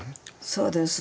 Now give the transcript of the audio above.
そうです。